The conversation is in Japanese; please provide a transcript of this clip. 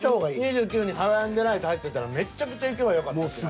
２９にハワイアンデライト入ってたらめっちゃくちゃいけばよかったってなる。